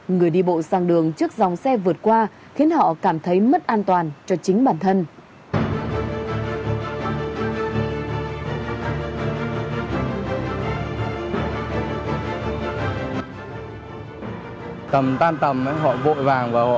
người đi bộ đã ý thức được việc bấm nút xin sang đường